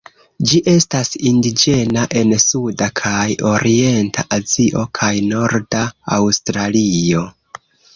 Ĝi estas indiĝena en suda kaj orienta Azio kaj norda Aŭstralio.